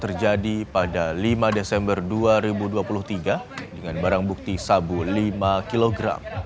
terjadi pada lima desember dua ribu dua puluh tiga dengan barang bukti sabu lima kg